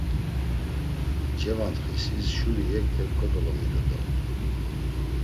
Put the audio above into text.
Cevantxisis şuri yekte kodolomilu dort̆u.